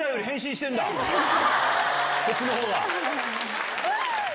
こっちのほうが。